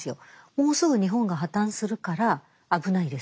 「もうすぐ日本が破綻するから危ないですよ」